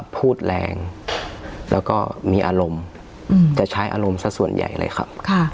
พูดแรงแล้วก็มีอารมณ์จะใช้อารมณ์สักส่วนใหญ่เลยครับ